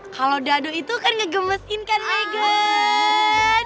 kalo dado itu kan ngegemesin kan megan